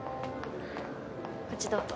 こっちどうぞ。